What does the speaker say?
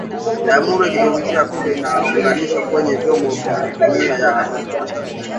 jamhuri ya kidemokrasia ya Kongo inaunganishwa kwenye vyombo vya jumuia ya Afrika mashariki